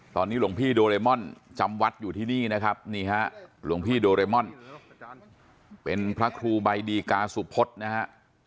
ตอนนี้หลวงพี่โดเรมอนจำวัดอยู่ที่นี่นะครับนี่ฮะหลวงพี่โดเรมอนเป็นพระครูใบดีกาสุพศนะฮะ